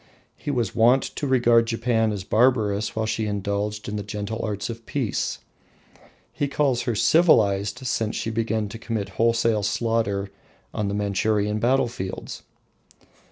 He was wont to regard Japan as barbarous while she indulged in the gentle arts of peace: he calls her civilised since she began to commit wholesale slaughter on Manchurian battlefields.